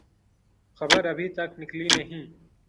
خبر ابھی تک نکلی نہیں۔